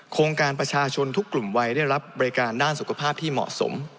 โครงการประชาชนทุกกลุ่มวัยได้รับบริการด้านสุขภาพที่เหมาะสม